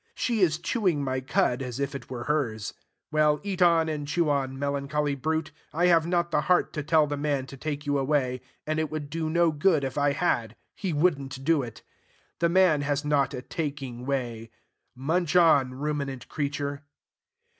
She is chewing my cud as if it were hers. Well, eat on and chew on, melancholy brute. I have not the heart to tell the man to take you away: and it would do no good if I had; he wouldn't do it. The man has not a taking way. Munch on, ruminant creature.